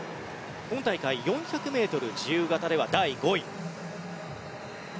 今大会４００ｍ自由形では第５位。